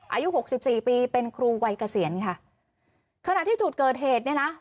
หกสิบสี่ปีเป็นครูวัยเกษียณค่ะขณะที่จุดเกิดเหตุเนี่ยนะ